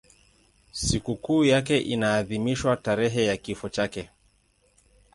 Sikukuu yake inaadhimishwa tarehe ya kifo chake.